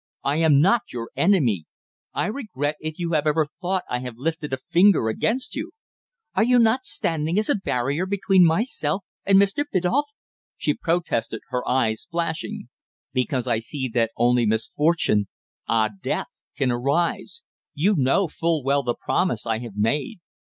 I am not your enemy. I regret if you have ever thought I have lifted a finger against you." "Are you not standing as a barrier between myself and Mr. Biddulph?" she protested, her eyes flashing. "Because I see that only misfortune ah! death can arise. You know full well the promise I have made.